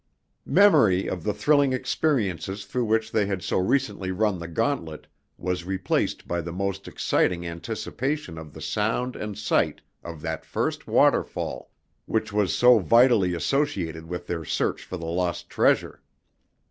Memory of the thrilling experiences through which they had so recently run the gauntlet was replaced by the most exciting anticipation of the sound and sight of that first waterfall, which was so vitally associated with their search for the lost treasure.